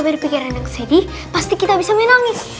berpikiran yang sedih pasti kita bisa menangis